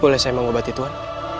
boleh saya membobati tuhan